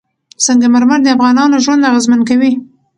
سنگ مرمر د افغانانو ژوند اغېزمن کوي.